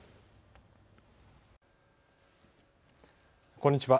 こんにちは。